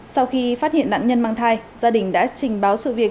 sau khi phát hiện nạn nhân mang thai gia đình đã trình báo sự việc